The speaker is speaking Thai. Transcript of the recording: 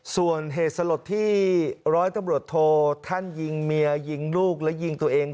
ส่วนเหตุสลดที่ร้อยตำรวจโทท่านยิงเมียยิงลูกและยิงตัวเอง